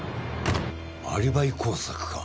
アリバイ工作か。